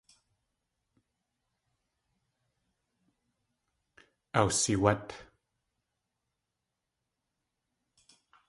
Awsiwát.